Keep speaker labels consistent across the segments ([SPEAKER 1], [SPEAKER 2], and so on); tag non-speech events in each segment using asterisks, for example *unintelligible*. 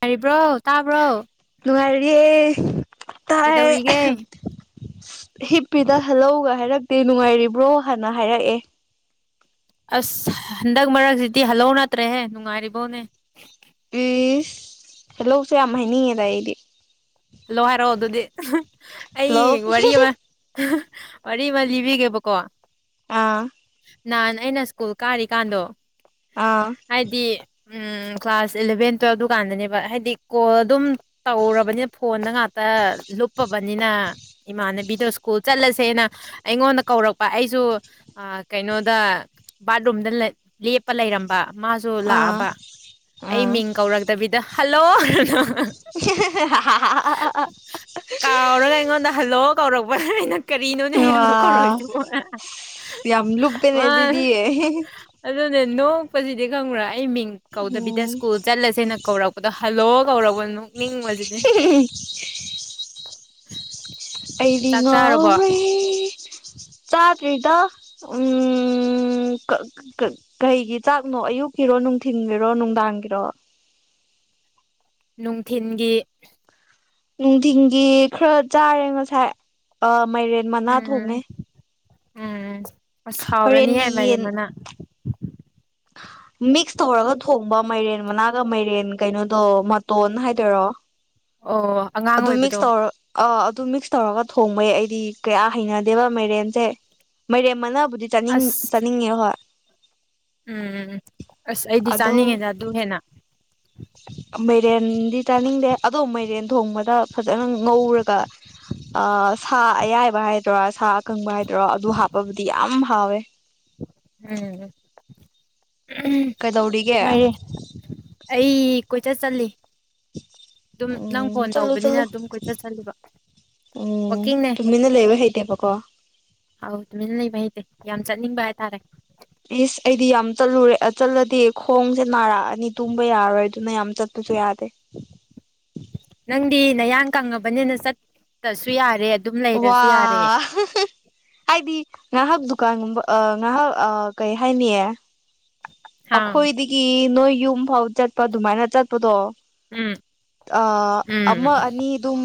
[SPEAKER 1] ꯌꯥꯔꯤꯕ꯭ꯔꯣ ꯇꯥꯕ꯭ꯔꯣ
[SPEAKER 2] ꯌꯦ ꯇꯥꯏ
[SPEAKER 1] ꯀꯩꯗꯧꯔꯤꯒꯦ
[SPEAKER 2] ꯍꯤꯞꯄꯤꯗ ꯍꯜꯍꯒ ꯍꯥꯏꯔꯛꯇꯦ ꯅꯨꯡꯉꯥꯏꯔꯤꯕ꯭ꯔꯣ ꯍꯥꯟꯅ ꯍꯥꯏꯔꯛꯑꯦ
[SPEAKER 1] ꯑꯁ ꯍꯟꯗꯛ ꯃꯔꯛꯁꯤꯗꯤ ꯍꯜꯍꯧ ꯅꯠꯇ꯭ꯔꯦꯍꯦ ꯅꯨꯡꯉꯥꯏꯔꯤꯕꯧꯅꯦ
[SPEAKER 2] ꯎꯝ ꯍꯂꯣꯁꯦ ꯌꯥꯝ ꯍꯥꯏꯅꯤꯡꯉꯦꯗ ꯑꯩꯗꯤ
[SPEAKER 1] ꯍꯜꯂꯣ ꯍꯥꯏꯔꯛꯑꯣ ꯑꯗꯨꯗꯤ ꯑꯩ
[SPEAKER 2] ꯍꯜꯂꯣ
[SPEAKER 1] ꯋꯥꯔꯤ ꯑꯃ ꯋꯥꯔꯤ ꯑꯃ ꯂꯤꯕꯤꯒꯦꯕꯀꯣ
[SPEAKER 2] ꯑꯥ
[SPEAKER 1] ꯅꯍꯥꯟ ꯑꯩꯅ ꯁ꯭ꯀꯨꯜ ꯀꯥꯔꯤꯀꯥꯟꯗꯣ
[SPEAKER 2] ꯑꯥ
[SPEAKER 1] ꯍꯥꯏꯗꯤ ꯎꯝ ꯀ꯭ꯂꯥꯁ ꯏꯂꯚꯦꯟ ꯇꯨꯋꯦꯜꯞꯗꯨ ꯀꯥꯟꯗꯅꯦꯕ ꯍꯥꯏꯗꯤ ꯀꯣꯜ ꯑꯗꯨꯝ ꯇꯧꯔꯕꯅꯤ ꯐꯣꯟꯅ ꯉꯥꯛꯇ ꯂꯨꯞꯄ ꯇꯕꯅꯤꯅ ꯏꯃꯥꯟꯅꯕꯤꯗꯣ ꯁ꯭ꯀꯨꯜ ꯆꯠꯂꯁꯦꯅ ꯑꯩꯉꯣꯟꯗ ꯀꯧꯔꯛꯄ ꯑꯩꯁꯨ ꯀꯩꯅꯣꯗ ꯕꯥꯠꯔꯨꯝꯗ ꯂꯦꯞꯄ ꯂꯩꯔꯝꯕ ꯃꯥꯁꯨ ꯂꯥꯛꯑꯕ
[SPEAKER 2] ꯑꯥ
[SPEAKER 1] ꯑꯩ ꯃꯤꯡ ꯀꯧꯔꯛꯇꯕꯤꯗ ꯍꯜꯂꯣ
[SPEAKER 2] *inaudible* ꯑꯥ
[SPEAKER 1] ꯀꯥꯎꯔꯒ ꯑꯩꯉꯣꯟꯗ ꯍꯜꯂꯣ ꯀꯧꯔꯛꯄꯅꯦ ꯑꯩꯅ ꯀꯔꯤꯅꯣꯅꯦ ꯍꯗꯣ
[SPEAKER 2] ꯋꯥꯎ
[SPEAKER 1] ꯀꯧꯔꯛꯏꯁꯤ
[SPEAKER 2] ꯌꯥꯝ ꯂꯨꯞꯄꯦꯅꯦ
[SPEAKER 1] ꯃꯥ
[SPEAKER 2] ꯑꯗꯨꯗꯤ
[SPEAKER 1] ꯑꯗꯨ ꯅꯣꯛꯄꯁꯤꯗꯤ ꯈꯪꯉ꯭ꯔꯥ ꯑꯩ ꯃꯤꯡ ꯀꯧꯗꯕꯤꯗ
[SPEAKER 2] ꯎꯝ
[SPEAKER 1] ꯁ꯭ꯀꯨꯜ ꯆꯠꯂꯁꯦꯅ ꯀꯧꯔꯛꯄꯗꯣ ꯍꯜꯂꯣ ꯀꯧꯛꯔꯕ ꯃꯤ ꯃꯜꯖꯗꯤꯦ
[SPEAKER 2] *inaudible* ꯑꯩꯗꯤ
[SPEAKER 1] ꯆꯥꯛ ꯆꯥꯔꯕꯣ
[SPEAKER 2] ꯉꯥꯎꯋꯦ ꯆꯥꯗ꯭ꯔꯤꯗ ꯎꯝ ꯀꯩꯒꯤ ꯆꯥꯛꯅꯣ ꯑꯌꯨꯛꯀꯤꯔꯣ ꯅꯨꯡꯊꯤꯟꯒꯤꯔꯣ ꯅꯨꯡꯗꯥꯡꯒꯤꯔꯣ
[SPEAKER 1] ꯅꯨꯡꯊꯤꯟꯒꯤ
[SPEAKER 2] ꯅꯨꯡꯊꯤꯟꯒꯤ ꯈꯔ ꯆꯥꯔꯦ ꯉꯁꯥꯏ ꯑ ꯃꯥꯏꯔꯦꯟ ꯃꯅꯥ
[SPEAKER 1] ꯎꯝ
[SPEAKER 2] ꯊꯣꯡꯉ
[SPEAKER 1] ꯎꯝ ꯑꯁ ꯍꯥꯎꯔꯅꯤꯍꯦ
[SPEAKER 2] ꯍꯣꯔꯦꯟꯗꯤ
[SPEAKER 1] ꯃꯥꯏꯔꯦꯟ
[SPEAKER 2] ꯌꯦꯟ
[SPEAKER 1] ꯃꯅꯥ
[SPEAKER 2] ꯑ ꯃꯤꯛꯁ ꯇꯧꯔꯒ ꯊꯣꯡꯕ ꯃꯥꯏꯔꯦꯟ ꯃꯅꯥꯒ ꯃꯥꯏꯔꯦꯟ ꯀꯩꯅꯣꯗꯣ ꯃꯇꯣꯟ ꯍꯥꯏꯗꯣꯏꯔꯣ
[SPEAKER 1] ꯑꯣ ꯑꯉꯥꯡ
[SPEAKER 2] ꯑꯗꯨ ꯃꯤꯛꯁ
[SPEAKER 1] ꯑꯣꯏꯕꯗꯣ
[SPEAKER 2] ꯇꯧꯔ ꯑ ꯑꯗꯨ ꯃꯤꯛꯁ ꯇꯧꯔꯒ ꯊꯣꯡꯕꯩ ꯑꯩꯗꯤ ꯀꯌꯥ ꯍꯩꯅꯗꯦꯕ ꯃꯥꯏꯔꯦꯝꯁꯦ ꯃꯥꯏꯔꯦꯝ ꯃꯅ ꯗꯤ ꯆꯥꯅꯤꯡ ꯆꯥꯅꯤꯡꯉꯦ ꯍꯣꯏ
[SPEAKER 1] ꯎꯝꯝ ꯑꯁ ꯑꯩꯗꯤ
[SPEAKER 2] ꯑꯗꯣ
[SPEAKER 1] ꯆꯥꯅꯤꯡꯉꯤꯗ ꯑꯗꯨ ꯍꯦꯟꯅ
[SPEAKER 2] ꯃꯥꯏꯔꯦꯟꯗꯤ ꯆꯥꯅꯤꯡꯗꯦ ꯑꯗꯣ ꯃꯥꯏꯔꯦꯟ ꯊꯣꯡꯕꯗ ꯐꯖꯅ ꯉꯧꯔꯒ ꯁꯥ ꯑꯌꯥꯏꯕ ꯍꯥꯏꯗꯔꯥ ꯁꯥ ꯑꯀꯪꯕ ꯍꯥꯏꯗꯔꯥ ꯑꯗꯨ ꯍꯥꯞꯄꯕꯨꯗꯤ ꯌꯥꯝ ꯍꯥꯎꯋꯦ *inaudible*
[SPEAKER 1] ꯎꯝ
[SPEAKER 2] ꯀꯩꯗꯧꯔꯤꯒꯦ
[SPEAKER 1] ꯃꯔꯦ ꯑꯩ ꯀꯣꯏꯆꯠ ꯆꯠꯂꯤ ꯑꯗꯨꯝ ꯅꯪ
[SPEAKER 2] ꯎꯝ
[SPEAKER 1] ꯐꯣꯟ
[SPEAKER 2] ꯆꯠꯂꯨ ꯆꯠꯂꯨ
[SPEAKER 1] ꯇꯧꯕꯅꯤꯅ ꯑꯗꯨꯝ ꯀꯣꯏꯆꯠꯁꯜꯂꯤꯕ
[SPEAKER 2] ꯎꯝ ꯇꯨꯃꯤꯅ ꯂꯩꯕ ꯍꯩꯇꯦꯕꯀꯣ
[SPEAKER 1] ꯍ ꯑꯗꯨꯃꯤꯅ ꯂꯩꯕ ꯍꯩꯗꯤꯦ ꯌꯥꯝ ꯆꯠꯅꯤꯡꯕ ꯍꯥꯏꯇꯥꯔꯦ
[SPEAKER 2] ꯏꯁ ꯑꯩꯗꯤ ꯌꯥꯝ ꯆꯠꯂꯨꯔꯦ ꯆꯠꯂꯗꯤ ꯈꯣꯡꯁꯦ ꯅꯥꯔꯛꯑꯅꯤ ꯇꯨꯝꯕ ꯌꯥꯔꯣꯏ ꯑꯗꯨꯅ ꯌꯥꯝ ꯆꯠꯇꯂ ꯁꯨ ꯌꯥꯗꯦ
[SPEAKER 1] ꯅꯪꯗꯤ ꯅꯌꯥꯡ ꯀꯪꯉꯕꯅꯤꯅ ꯆꯠꯁꯨ ꯌꯥꯔꯦ ꯑꯗꯨꯝ
[SPEAKER 2] ꯋꯥ
[SPEAKER 1] ꯂꯩꯔꯁꯨ ꯌꯥꯔꯦ
[SPEAKER 2] ꯍꯥꯏꯗꯤ ꯍ ꯗꯨꯀꯥꯟꯒꯨꯝꯕ ꯉꯥꯏꯍꯥꯛ ꯀꯩ ꯍꯥꯏꯅꯤꯌꯦ
[SPEAKER 1] ꯑꯥ
[SPEAKER 2] ꯑꯩꯈꯣꯏꯗꯒꯤ ꯅꯣꯏ ꯌꯨꯝ ꯐꯥꯎ ꯆꯠꯄ ꯑꯗꯨꯃꯥꯏꯅ ꯆꯠꯄꯗꯣ
[SPEAKER 1] ꯎꯝ
[SPEAKER 2] ꯑ
[SPEAKER 1] ꯎꯝ
[SPEAKER 2] ꯑꯃ ꯑꯅꯤꯗꯨꯝ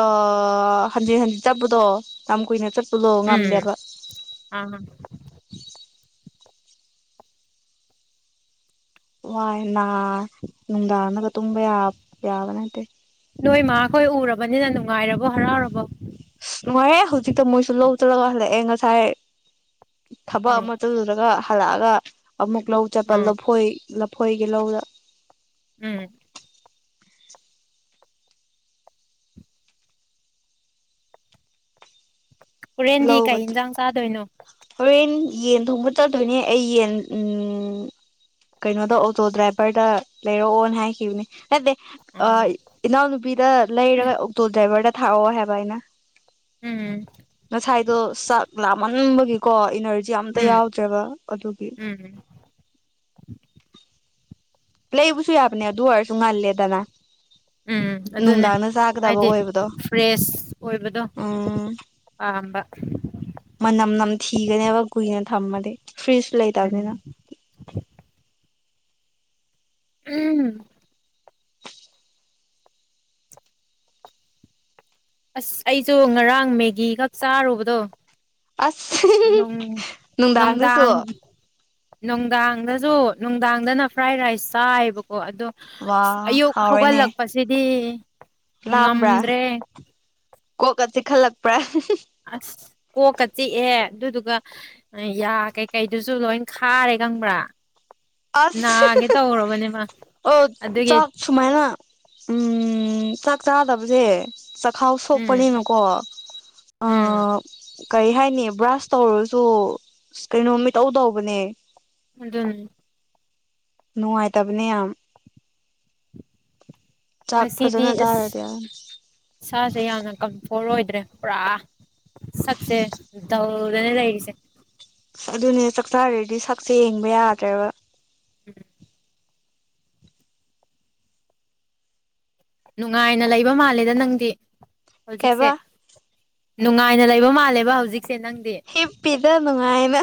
[SPEAKER 2] ꯑ ꯍꯥꯟꯖꯤ ꯍꯥꯟꯖꯤ ꯆꯠꯄꯗꯣ ꯌꯥꯝ ꯀꯨꯏꯅ ꯆꯠ ꯂꯣ
[SPEAKER 1] ꯎꯝ
[SPEAKER 2] ꯉꯝꯗꯦꯕ
[SPEAKER 1] ꯑꯥ
[SPEAKER 2] ꯋꯥꯏ ꯅꯨꯡꯗꯥꯡꯗꯒ ꯇꯨꯝꯕ ꯌꯥꯕ ꯅꯠꯇꯦ
[SPEAKER 1] ꯅꯣꯏ ꯃꯥꯈꯣꯏ ꯎꯔꯕꯅꯤꯅ ꯅꯨꯡꯉꯥꯏꯔꯕꯣ ꯍꯔꯥꯎꯔꯕꯣ
[SPEAKER 2] ꯑꯁ ꯅꯨꯡꯉꯥꯏꯔꯦ ꯍꯧꯖꯤꯛꯇ ꯃꯣꯏꯁꯨ ꯂꯧ ꯆꯂꯒ ꯍꯜꯂꯛ ꯑꯦ ꯉꯁꯥꯏ ꯊꯕꯛ
[SPEAKER 1] ꯎꯝ
[SPEAKER 2] ꯑꯃ ꯇꯧꯖꯔꯒ ꯍꯜꯂꯛꯑꯒ ꯑꯃꯨꯛ ꯂꯧ ꯆꯠꯄ
[SPEAKER 1] ꯎꯝ
[SPEAKER 2] ꯂꯐꯣꯏ ꯊꯣꯏꯒꯤ ꯂꯧꯗ
[SPEAKER 1] ꯎꯝ ꯍꯣꯔꯦꯟꯗꯤ ꯀꯩ ꯌꯦꯟꯁꯥꯡ ꯆꯥꯗꯣꯏꯅꯣ
[SPEAKER 2] ꯎ ꯌꯦꯟ ꯊꯣꯡꯕ ꯆꯗꯣꯏꯅꯦ ꯑꯩ ꯌꯦꯟ ꯎꯝ ꯀꯩꯅꯣꯗ ꯑꯣꯇꯣ ꯗ꯭ꯔꯥꯏꯚꯔꯗ ꯂꯩꯔꯛꯑꯣꯅ ꯍꯥꯏꯈꯤꯕꯅꯦ ꯅꯠꯇꯦ
[SPEAKER 1] ꯎꯝ
[SPEAKER 2] ꯏꯅꯥꯎꯅꯨꯄꯤꯗ ꯂꯩꯔꯒ ꯑꯣꯛꯇꯣ ꯗ꯭ꯔꯥꯏꯚꯔꯗ ꯊꯥꯛꯑꯣ ꯍꯥꯏꯕ ꯑꯩꯅ
[SPEAKER 1] ꯎꯝ
[SPEAKER 2] ꯉꯁꯥꯏꯗꯣ ꯆꯥꯛ ꯂꯥꯝꯍꯟꯕꯒꯤꯀꯣ ꯏꯅꯔꯖꯤ ꯌꯥꯝꯇ
[SPEAKER 1] ꯎꯝ
[SPEAKER 2] ꯌꯥꯎꯗ꯭ꯔꯦꯕ ꯑꯗꯨꯒꯤ
[SPEAKER 1] ꯎꯝ
[SPEAKER 2] ꯄ꯭ꯂꯦꯕꯨꯁꯨꯨ ꯌꯥꯕꯅꯦ ꯑꯗꯨ ꯑꯣꯢꯔꯁꯨ ꯉꯜꯂꯦꯗꯅ
[SPEAKER 1] ꯎꯝ ꯑꯗꯨꯅꯦ
[SPEAKER 2] ꯅꯨꯡꯗꯥꯡꯅ ꯆꯥꯒꯗꯕ
[SPEAKER 1] ꯍꯥꯏꯗꯤ
[SPEAKER 2] ꯑꯣꯏꯕꯗꯣ ꯎꯝ
[SPEAKER 1] ꯑꯝꯕ
[SPEAKER 2] ꯃꯅꯝ ꯅꯝ ꯊꯤꯒꯅꯦ ꯌꯥꯋꯥ ꯈꯨꯨꯏꯅ ꯊꯃꯗꯤ ꯐ꯭ꯔꯤꯖꯁꯨ ꯂꯩꯇꯅꯤꯅ
[SPEAKER 1] ꯎꯝ ꯎꯝ ꯑꯁ ꯑꯩꯁꯨ ꯉꯔꯥꯡ ꯃꯦꯒꯤꯒꯛ ꯆꯥꯔꯨꯕꯗꯣ
[SPEAKER 2] ꯑꯁ
[SPEAKER 1] ꯅꯨꯡ
[SPEAKER 2] ꯅꯨꯡꯗꯥꯡꯗꯁꯨ
[SPEAKER 1] ꯅꯨꯡꯗꯥꯡ ꯅꯨꯡꯗꯥꯡꯗꯁꯨ ꯅꯨꯡꯗꯥꯡꯗꯅ ꯐ꯭ꯔꯥꯏ ꯔꯥꯏꯁ ꯆꯥꯏꯕꯀꯣ ꯑꯣ ꯑꯗꯣ
[SPEAKER 2] ꯋꯥ
[SPEAKER 1] ꯑꯌꯨꯛ
[SPEAKER 2] ꯍꯥꯎꯔꯦꯅꯦ
[SPEAKER 1] ꯍꯧꯒꯠꯂꯛꯄꯁꯤꯗꯤ
[SPEAKER 2] ꯂꯥꯝꯕ꯭ꯔꯥ
[SPEAKER 1] ꯉꯝꯗ꯭ꯔꯦ
[SPEAKER 2] ꯀꯣꯛꯀ ꯆꯤꯈꯜꯂꯛꯄ꯭ꯔꯥ
[SPEAKER 1] ꯑꯁ ꯀꯣꯛꯀ ꯆꯤꯛꯑꯦ ꯑꯗꯨꯗꯨꯒ ꯌꯥ ꯀꯩꯀꯩꯗꯨꯁꯨ ꯂꯣꯏ ꯈꯥꯔꯦ ꯈꯪꯕ꯭ꯔꯥ
[SPEAKER 2] ꯑꯁ
[SPEAKER 1] ꯅꯥꯒꯦ ꯇꯧꯔꯕꯅꯦꯕ
[SPEAKER 2] ꯑꯣ
[SPEAKER 1] ꯑꯗꯨꯒꯤ
[SPEAKER 2] ꯆꯥꯛ ꯁꯨꯃꯥꯏꯅ ꯎꯝ ꯆꯥꯛ ꯆꯥꯗꯕꯁꯦ ꯆꯈꯥꯎ
[SPEAKER 1] ꯎꯝ
[SPEAKER 2] ꯁꯣꯛꯄꯅꯤꯅꯀꯣ
[SPEAKER 1] ꯎꯝ
[SPEAKER 2] ꯀꯔꯤ ꯍꯥꯏꯅꯤ ꯕ꯭ꯔꯁ ꯇꯧꯔꯁꯨ ꯀꯩꯅꯣ ꯃꯤꯇꯧ ꯇꯧꯕꯅꯦ
[SPEAKER 1] ꯑꯗꯨ
[SPEAKER 2] ꯅꯨꯡꯉꯥꯏꯇꯕꯅꯦ ꯌꯥꯝ ꯆꯥꯛ
[SPEAKER 1] ꯉꯁꯤꯗꯤ
[SPEAKER 2] ꯐꯖꯅ
[SPEAKER 1] ꯑꯁ
[SPEAKER 2] ꯆꯥꯔꯗꯤ
[SPEAKER 1] ꯁꯥꯁꯦ ꯌꯥꯝꯅ ꯀꯝ ꯍꯣꯏꯗ꯭ꯔꯦ ꯄꯨꯔꯥ ꯁꯛꯁꯦ ꯗꯜꯗꯅ ꯂꯩꯔꯤꯁꯦ
[SPEAKER 2] ꯑꯗꯨꯅꯦ ꯆꯥꯛꯆꯥꯥꯔꯗꯤ ꯁꯛꯁꯦ ꯌꯦꯡꯕ ꯌꯥꯗ꯭ꯔꯕ
[SPEAKER 1] ꯎꯝ ꯅꯨꯡꯉꯥꯏꯅ ꯂꯩꯕ ꯃꯥꯜꯂꯦꯗ ꯅꯪꯗꯤ ꯍꯧꯖꯤꯛꯁꯦ
[SPEAKER 2] ꯀꯩꯕ
[SPEAKER 1] ꯅꯨꯡꯉꯥꯏꯅ ꯂꯩꯕ ꯃꯥꯜꯂꯦꯕ ꯍꯧꯖꯤꯛ
[SPEAKER 2] ꯍꯤꯞ ꯄꯤꯗ ꯅꯨꯡꯉꯥꯏꯅ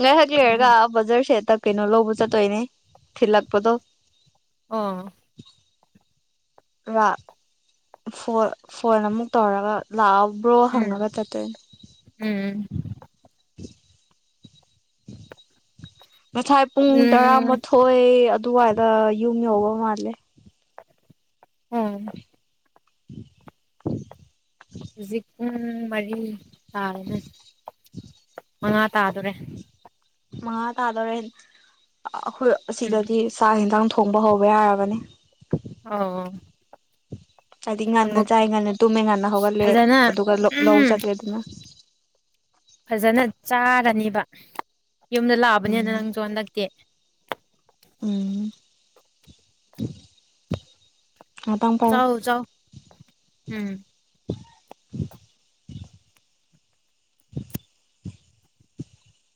[SPEAKER 2] ꯉꯥꯏꯍꯖꯤꯔꯒ ꯕꯖꯥꯔ ꯁꯦꯠꯇ ꯀꯩꯅꯣ ꯂꯧꯕ ꯆꯠꯇꯣꯏꯅꯦ ꯊꯤꯜꯂꯛꯄꯗꯣ
[SPEAKER 1] ꯑ
[SPEAKER 2] ꯐꯣꯟ ꯑꯃꯨꯛ ꯇꯧꯔꯒ ꯂꯥꯛꯑꯣ ꯕ꯭ꯔꯣ
[SPEAKER 1] ꯎꯝ
[SPEAKER 2] ꯍꯪꯉꯒ ꯆꯠꯇꯣꯢꯅꯤ
[SPEAKER 1] ꯎꯝ
[SPEAKER 2] ꯉꯁꯥꯏ ꯄꯨꯡ
[SPEAKER 1] ꯎꯝ
[SPEAKER 2] ꯇꯔꯥꯃꯥꯊꯣꯏ ꯑꯗꯨꯋꯥꯏꯗ ꯌꯨꯝ ꯌꯧꯕ ꯃꯥꯜꯂꯦ
[SPEAKER 1] ꯎꯝ
[SPEAKER 2] *inaudible*
[SPEAKER 1] ꯖꯤꯛ ꯄꯨꯡ ꯃꯔꯤ ꯇꯥꯔꯦꯅꯦ ꯃꯉꯥ ꯇꯥꯗꯣꯔꯦ
[SPEAKER 2] ꯃꯉꯥ ꯇꯥꯗꯣꯔꯦ ꯑꯩꯈꯣꯏ
[SPEAKER 1] ꯎꯝ
[SPEAKER 2] ꯁꯤꯗꯗꯤ ꯆꯥ ꯏꯟꯁꯥꯡ ꯊꯣ ꯊꯣꯡꯕ ꯍꯧꯕ ꯌꯥꯔꯕꯅꯤ
[SPEAKER 1] ꯑꯣ
[SPEAKER 2] ꯍꯥꯏꯗꯤ ꯉꯟꯅ
[SPEAKER 1] ꯑꯃꯨꯛ
[SPEAKER 2] ꯆꯥꯏ ꯉꯥꯟꯂ ꯇꯨꯝꯃꯦ ꯉꯟꯅ ꯍꯧꯒꯠꯂꯦ
[SPEAKER 1] ꯐꯖꯅ
[SPEAKER 2] ꯑꯗꯨꯒ ꯂꯧ
[SPEAKER 1] ꯎꯝ
[SPEAKER 2] ꯆꯠꯂꯦ ꯑꯗꯨꯅ
[SPEAKER 1] ꯐꯖꯅ ꯆꯥꯔꯅꯦꯕ ꯌꯨꯝꯗ ꯂꯥꯛꯑꯕꯅꯦꯅ
[SPEAKER 2] ꯎꯝ
[SPEAKER 1] ꯅꯪꯁꯨ ꯍꯟꯗꯛꯇꯤ
[SPEAKER 2] ꯎ *inaudible*
[SPEAKER 1] ꯆꯥꯎ ꯆꯥꯎ ꯎꯝ
[SPEAKER 2] *inaudible* *inaudible*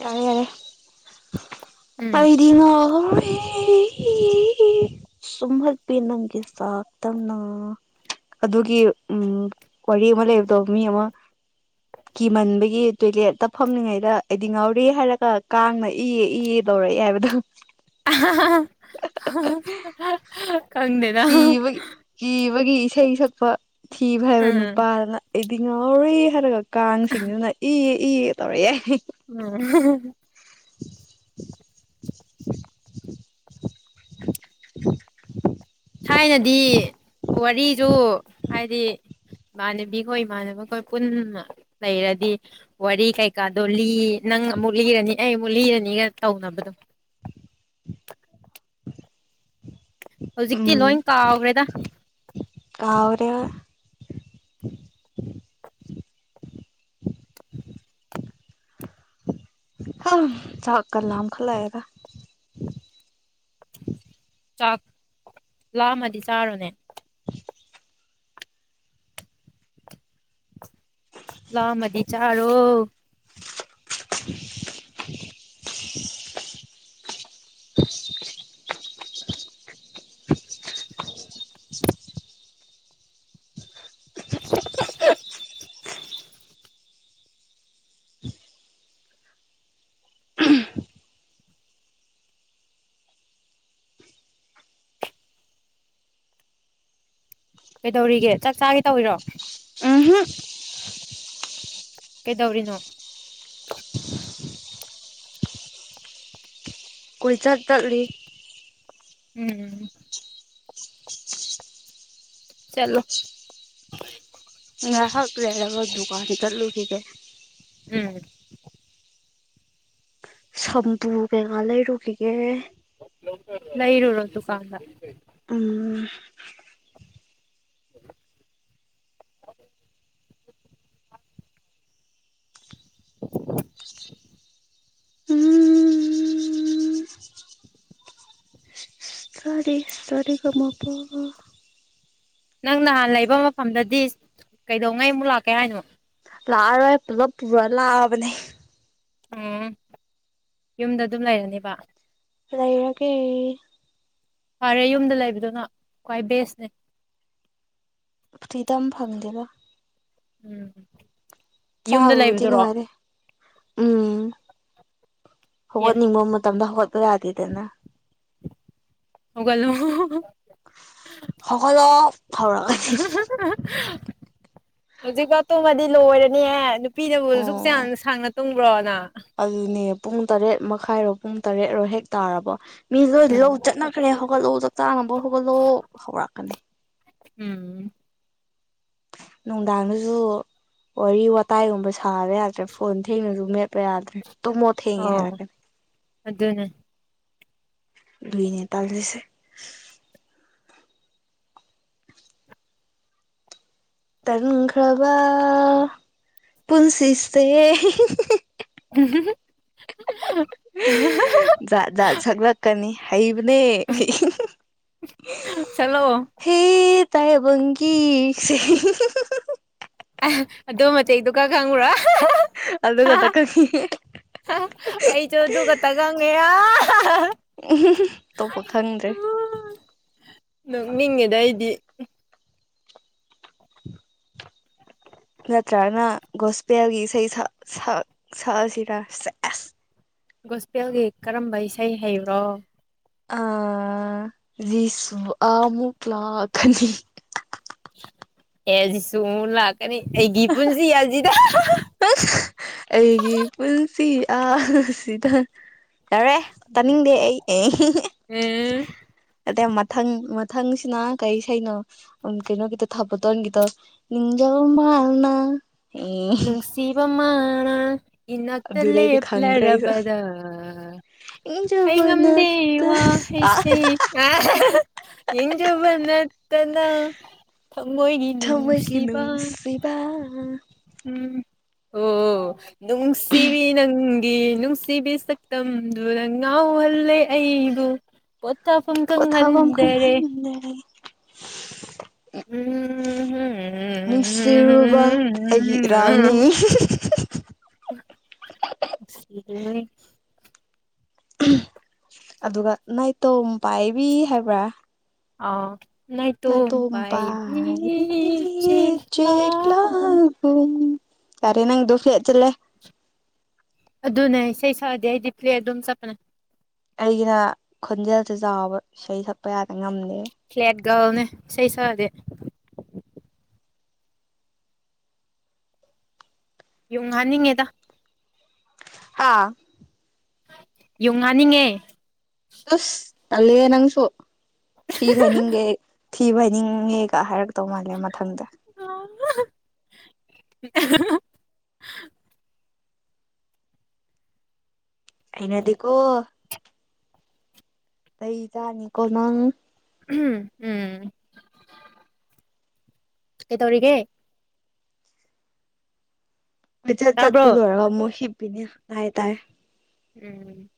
[SPEAKER 2] ꯌꯥꯔꯦ ꯌꯥꯔꯦ
[SPEAKER 1] ꯎꯝ
[SPEAKER 2] ꯑꯩꯗꯤꯅ ꯑꯦ ꯁꯨꯝꯍꯠꯄꯤ ꯅꯪꯒꯤ ꯆꯥꯛ ꯇꯝꯅ ꯑꯗꯨꯒꯤ ꯎꯝ ꯋꯥꯔꯤ ꯑꯃ ꯂꯩꯕꯗꯣ ꯃꯤ ꯑꯃ ꯀꯤꯃꯟꯕꯒꯤ ꯇꯣꯏꯂꯦꯠ ꯇꯞ ꯐꯝꯂꯤꯉꯩꯗ ꯑꯩꯗꯤ ꯉꯥꯎꯔꯦ ꯍꯥꯏꯔꯒ ꯀꯥꯡꯅ ꯏꯌꯦ ꯏꯌꯦ ꯇꯧꯔꯛꯑꯦ ꯍꯥꯏꯕꯗꯣ
[SPEAKER 1] ꯑꯍꯥꯍꯥ ꯍꯥꯍ ꯀꯪꯗꯦꯅ
[SPEAKER 2] ꯕꯒꯤ ꯏꯁꯩ ꯁꯛꯄ ꯊꯤ ꯐꯥꯢꯕ
[SPEAKER 1] ꯎꯝ
[SPEAKER 2] ꯅꯨꯄꯥꯗꯨꯅ ꯑꯩꯗꯤ ꯉꯥꯎꯔꯦ ꯍꯥꯏꯔꯒ ꯀꯥꯡꯁꯤꯡꯗꯨꯅ ꯏꯦ ꯏꯦ ꯇꯧꯔꯛꯑꯦ
[SPEAKER 1] ꯎꯝ
[SPEAKER 2] *inaudible*
[SPEAKER 1] ꯊꯥꯏꯅꯗꯤ ꯋꯥꯔꯤꯁꯨ ꯍꯥꯏꯗꯤ ꯏꯃꯥꯟꯅꯕꯤꯈꯣꯏ ꯏꯃꯥꯟꯅꯕꯈꯣꯏ ꯄꯨꯟꯅ ꯂꯩꯔꯗꯤ ꯋꯥꯔꯤ ꯀꯩꯀꯥꯗꯣ ꯂꯤ ꯅꯪ ꯑꯃꯨꯛ ꯂꯤꯔꯅꯤ ꯑꯩ ꯑꯃꯨꯛ ꯂꯤꯔꯅꯤꯒ ꯇꯧꯅꯕꯗꯣ ꯍꯧꯖꯤꯛꯇꯤ ꯂꯣꯏ
[SPEAKER 2] ꯎꯝ
[SPEAKER 1] ꯀꯥꯎꯈ꯭ꯔꯦꯗ
[SPEAKER 2] ꯗ *unintelligible* ꯍꯤ ꯆꯥꯛ ꯀꯥꯡ ꯂꯝꯈꯠꯂꯛꯑꯦꯗ
[SPEAKER 1] ꯆꯥꯛ ꯂꯥꯝꯃꯗꯤ ꯆꯥꯔꯣꯅꯦ
[SPEAKER 2] *inaudible*
[SPEAKER 1] ꯂꯝꯃꯗꯤ ꯆꯥꯔꯣ
[SPEAKER 2] *unintelligible* *unintelligible*
[SPEAKER 1] ꯀꯩꯗꯧꯔꯤꯒꯦ ꯆꯥꯛ ꯆꯥꯒꯦ ꯇꯧꯢꯔꯣ
[SPEAKER 2] ꯎꯝꯍꯝ
[SPEAKER 1] ꯀꯩꯗꯧꯔꯤꯅꯣ
[SPEAKER 2] ꯀꯣꯏꯆꯠ ꯆꯠꯂꯤ
[SPEAKER 1] ꯎꯝ ꯆꯠꯂꯣ
[SPEAKER 2] ꯉꯥꯢꯍꯥꯛ ꯂꯩꯔꯒ ꯗꯨꯀꯥꯟ ꯆꯠꯂꯨꯈꯤꯒꯦ
[SPEAKER 1] ꯎꯝ
[SPEAKER 2] ꯁꯝꯄꯨ ꯀꯩꯒꯥ ꯂꯩꯔꯨꯒꯤꯒꯦ
[SPEAKER 1] ꯂꯩꯔꯨꯔꯣ ꯗꯨꯀꯥꯟꯗ
[SPEAKER 2] ꯎꯝ
[SPEAKER 1] *inaudible*
[SPEAKER 2] ꯎꯝ ꯁꯥ ꯔꯦ ꯁꯥ ꯔꯦ ꯒ ꯃꯥ ꯄꯥ ꯒꯥ
[SPEAKER 1] ꯅꯪ ꯅꯍꯥꯟ ꯂꯩꯕ ꯃꯐꯝꯗꯗꯤ ꯀꯩꯗꯧꯉꯩ ꯑꯃꯨꯛ ꯂꯥꯛꯀꯦ ꯍꯥꯏꯅꯣ
[SPEAKER 2] ꯂꯥꯛꯑꯔꯣꯏ ꯄꯨꯂꯞ ꯄꯨꯔꯥ ꯂꯥꯛꯑꯕꯅꯤ
[SPEAKER 1] ꯎꯝ ꯌꯨꯝꯗ ꯑꯗꯨꯝ ꯂꯩꯔꯅꯦꯕ
[SPEAKER 2] ꯂꯩꯔꯒꯦ
[SPEAKER 1] ꯐꯔꯦ ꯌꯨꯝꯗ ꯂꯩꯕꯗꯨꯅ ꯈ꯭ꯋꯥꯏ ꯕꯦꯁꯅꯦ
[SPEAKER 2] ꯐ꯭ꯔꯤꯗꯝ ꯐꯪꯗꯦꯗ
[SPEAKER 1] ꯎꯝ ꯌꯨꯝꯗ
[SPEAKER 2] ꯆꯥꯕꯕꯨꯗꯤ
[SPEAKER 1] ꯂꯩꯕꯗꯨꯔꯣ
[SPEAKER 2] ꯅꯨꯡꯉꯥꯢꯔꯦ ꯎꯝ
[SPEAKER 1] ꯑꯦ
[SPEAKER 2] ꯍꯧꯒꯠꯅꯤꯡꯕ ꯃꯇꯝꯗ ꯍꯧꯒꯠꯄ ꯌꯥꯗꯦꯗꯅ
[SPEAKER 1] ꯍꯧꯒꯠꯂꯣ
[SPEAKER 2] ꯍꯧꯒꯠꯂꯣ ꯐꯥꯎꯔꯛꯑꯅꯤ
[SPEAKER 1] ꯍꯧꯖꯤꯛ ꯐꯥꯎ ꯇꯨꯝꯃꯗꯤ ꯂꯣꯏꯔꯅꯤꯍꯦ ꯅꯨꯄꯤꯅꯕꯨ ꯑꯁꯨꯨꯛ
[SPEAKER 2] ꯑꯣ
[SPEAKER 1] ꯁꯥꯡꯅ ꯁꯥꯡꯅ ꯇꯨꯝꯕ꯭ꯔꯣ ꯅꯪ
[SPEAKER 2] ꯑꯗꯨꯅꯦ ꯄꯨꯡ ꯇꯔꯦꯠ ꯃꯈꯥꯏꯔꯣ ꯄꯨꯡ ꯇꯔꯦꯠꯔꯣ ꯍꯦꯛ ꯇꯥꯔꯕ ꯃꯤ ꯂꯣꯏ ꯂꯧ ꯆꯠꯅꯈ꯭ꯔꯦ ꯍꯧꯒꯠꯂꯣ ꯆꯥꯛ ꯆꯥꯅꯕ ꯍꯧꯒꯠꯂꯣ ꯍꯧꯔꯛꯀꯅꯤ
[SPEAKER 1] ꯎꯝ
[SPEAKER 2] ꯅꯨꯡꯗꯥꯡꯗꯁꯨ ꯋꯥꯔꯤ ꯋꯥꯇꯥꯏꯒꯨꯝꯕ ꯁ ꯊꯥꯔꯦ ꯌꯥꯗ꯭ꯔꯦ ꯐꯣꯟ ꯊꯦꯡꯅꯁꯨ ꯃꯦꯠꯄ ꯌꯥꯗ꯭ꯔꯦ ꯇꯨꯝꯃꯣ ꯊꯦꯡꯉꯦ ꯍꯥꯏꯔꯛꯀꯅꯤ
[SPEAKER 1] ꯑꯗꯨꯅꯤ
[SPEAKER 2] ꯂꯨꯢꯅꯦ ꯇꯜꯂꯤꯁꯦ ꯇꯟꯈ꯭ꯔꯕ ꯄꯨꯟꯁꯤꯁꯦ ꯖꯥꯠ ꯖꯥꯠ ꯁꯛꯂꯛꯀꯅꯤ ꯍꯩ ꯅꯦ
[SPEAKER 1] ꯁꯛꯂꯛꯑꯣ
[SPEAKER 2] ꯍꯦ ꯇꯥꯏꯕꯪ ꯀꯤ ꯁꯤꯡ
[SPEAKER 1] ꯑ ꯑꯗꯣ ꯑꯗꯣ ꯃꯇꯦꯛ ꯈꯪꯕꯔꯣ
[SPEAKER 2] ꯑꯗꯨꯒ ꯈꯥꯇꯥ ꯈꯪꯉꯤ
[SPEAKER 1] ꯑꯩꯁꯨ ꯑꯗꯨꯒ ꯈꯛꯇ ꯉꯪꯉꯦ
[SPEAKER 2] ꯎ ꯑꯇꯣꯞꯄ ꯈꯪꯗ꯭ꯔꯦ
[SPEAKER 1] ꯅꯣꯛꯅꯤꯡꯉꯦꯗ ꯑꯩꯗꯤ
[SPEAKER 2] *unintelligible* ꯅꯠꯇ꯭ꯔꯒꯅ ꯒꯣꯁꯄꯦꯜꯒꯤ ꯏꯁꯩ ꯁꯛ ꯁꯛ ꯁꯛꯑꯁꯤꯅ ꯁꯁ
[SPEAKER 1] ꯒꯣꯁꯄꯦꯜꯒꯤ ꯀꯔꯝꯕ ꯏꯁꯩ ꯍꯩꯕ꯭ꯔꯣ
[SPEAKER 2] ꯑꯥ ꯔꯤꯁ ꯑꯃꯨꯛ ꯂꯥꯛꯀꯅꯤ
[SPEAKER 1] ꯑꯦ ꯑꯁꯤ ꯁ ꯂꯥꯛꯀꯅꯤ ꯑꯩꯒꯤ ꯄꯨꯟꯁꯤ ꯑꯁꯤꯗ
[SPEAKER 2] ꯑꯁ ꯑꯩꯒꯤ ꯄꯨꯟꯁꯤ ꯑ ꯑꯁꯤꯗ ꯌꯥꯔꯦ ꯇꯥꯅꯤꯡꯗꯦ ꯑꯩ
[SPEAKER 1] ꯎꯝ
[SPEAKER 2] ꯑꯗ ꯃꯊꯪ ꯊꯪꯁꯤꯅ ꯀꯩ ꯁꯩꯅꯣ ꯀꯩꯅꯣꯒꯤꯗ ꯊꯥꯕꯠꯇꯣꯟꯒꯤꯗꯣ ꯅꯤꯡꯖ ꯃꯥꯜꯅ ꯑꯣ
[SPEAKER 1] ꯁꯤꯕ ꯃꯥ ꯏꯅꯛꯇ ꯂꯩ
[SPEAKER 2] ꯑꯗꯨꯗꯩꯗꯤ ꯈꯪꯗ꯭ꯔꯦ ꯑꯩꯁꯨ
[SPEAKER 1] ꯄ꯭ꯂꯔꯔꯕꯗ ꯍꯩ
[SPEAKER 2] ꯅꯤꯡꯖꯧꯕ
[SPEAKER 1] ꯉꯝꯗꯦ ꯏ
[SPEAKER 2] ꯅꯠꯇ
[SPEAKER 1] ꯋꯥ
[SPEAKER 2] ꯑ
[SPEAKER 1] ꯍꯁꯦ ꯏꯖꯣ ꯅꯠꯇꯅ ꯊꯃꯣꯏꯒꯤ
[SPEAKER 2] ꯊꯃꯣꯏꯒꯤ
[SPEAKER 1] ꯅꯨꯡꯁꯤꯕ
[SPEAKER 2] ꯅꯨꯡꯁꯤꯕ
[SPEAKER 1] ꯎꯝ ꯑꯣ ꯅꯅꯨꯡꯪꯁꯤꯕꯤ ꯅꯪ ꯒꯤ ꯅꯨꯡꯁꯤꯕꯤ ꯁꯛꯇꯝꯗꯨꯗ ꯉꯥꯎꯍꯜꯂꯦ ꯑꯩꯕꯨ ꯇ ꯐꯪ ꯀꯪ
[SPEAKER 2] ꯄꯣꯊꯥꯐꯝ
[SPEAKER 1] ꯉꯟꯗꯦꯔꯦ
[SPEAKER 2] ꯑ
[SPEAKER 1] ꯎꯝ
[SPEAKER 2] ꯅꯨꯡꯁꯤꯔꯨꯕ ꯑꯩꯒꯤ ꯔꯥꯎꯅꯤ
[SPEAKER 1] ꯁꯤ
[SPEAKER 2] ꯑꯗꯨꯒ ꯅꯥꯏꯇꯣꯝ ꯄꯥꯏꯕꯤ ꯍꯥꯏꯕ꯭ꯔꯥ
[SPEAKER 1] ꯑꯥ
[SPEAKER 2] ꯉ
[SPEAKER 1] ꯅꯥꯏꯇꯣꯝ
[SPEAKER 2] ꯇꯣꯝ
[SPEAKER 1] ꯄꯥꯏꯕꯤ
[SPEAKER 2] ꯄꯏ ꯆꯦ ꯀꯒ
[SPEAKER 1] ꯆꯦꯛꯂꯥꯒꯨꯝ
[SPEAKER 2] ꯀꯔꯤꯦꯅꯥ ꯗꯨꯐꯗ ꯆꯂꯦ
[SPEAKER 1] ꯑꯗꯨꯅꯦ ꯏꯁꯩ ꯁꯛꯗꯤ ꯑꯩꯗꯤ ꯄꯤ꯭ꯂ ꯑꯗꯨꯝ ꯆꯞꯄꯅꯦ
[SPEAKER 2] ꯑꯩꯒꯤꯅ ꯈꯣꯟꯖꯦꯜꯁꯦ ꯆꯥꯎꯕ ꯏꯁꯩ ꯁꯛꯄ ꯌꯥꯗ ꯉꯝꯗꯦ
[SPEAKER 1] ꯒꯥꯅꯦ ꯏꯁꯩ ꯁꯥꯗꯤꯦ ꯌꯨꯡꯍꯟꯅꯤꯡꯉꯦꯗ
[SPEAKER 2] ꯑꯥ
[SPEAKER 1] ꯌꯨꯝ ꯉꯥꯅꯤꯡꯉꯦ
[SPEAKER 2] ꯇꯁ ꯑꯂꯦ ꯅꯪꯁꯨ ꯊꯤꯕꯅꯤꯡꯦ ꯊꯤꯕ ꯍꯥꯏꯅꯤꯡꯉꯦꯒ ꯍꯥꯏꯔꯛꯇꯧ ꯃꯥꯜꯂꯦ ꯃꯊꯪꯗ
[SPEAKER 1] ꯑ
[SPEAKER 2] ꯍꯅꯗꯤꯀꯣ ꯑꯩꯩ ꯇꯅꯤ ꯀꯣꯅꯥ
[SPEAKER 1] ꯎꯝ ꯎꯝ ꯑꯦꯗꯧꯒ
[SPEAKER 2] ꯂꯤꯆꯠ
[SPEAKER 1] ꯇꯥꯕ꯭ꯔꯣ
[SPEAKER 2] ꯆꯠꯄ ꯂꯣꯏꯔꯒ ꯑꯃꯨꯛ ꯍꯤꯞꯄꯤꯅꯦ ꯇꯥꯏ ꯇꯥꯏ
[SPEAKER 1] ꯎꯝ